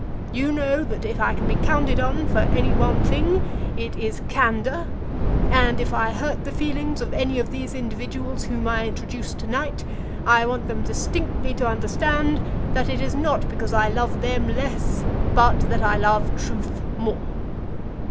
You know that if I can be counted upon for any one thing it is candor, and if I hurt the feelings of any of these individuals whom I introduce to night, I want them distinctly to understand that it is not because I love them less, but that I love truth more.